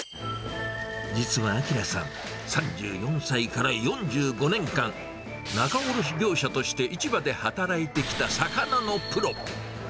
実は明さん、３４歳から４５年間、仲卸業者として市場で働いてきた魚のプロ。